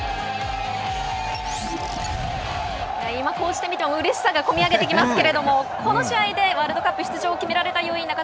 今、こうして見てもうれしさが込み上げてきますけれどもこの試合でワールドカップ出場を決められた要因